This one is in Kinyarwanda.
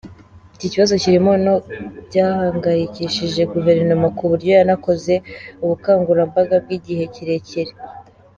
Iki kibazo kiri no mu byahangayikishije Guverinoma, ku buryo yanakoze ubukangurambaga bw’igihe kirekire.